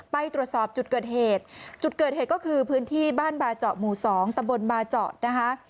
ไปตรวจสอบจุดเกิดเหตุจุดเกิดเหตุก็คือพื้นที่บ้านบาเจาะหมู่๒ตะบนบาเจาะนะคะ